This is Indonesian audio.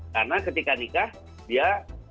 karena ketika nikah dia